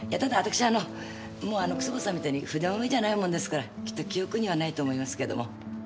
もうあの楠本さんみたいに筆まめじゃないもんですからきっと記憶にはないと思いますけれども。